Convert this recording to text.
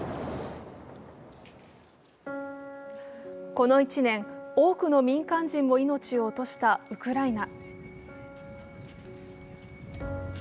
この１年、多くの民間人の命を落としたウクライナ。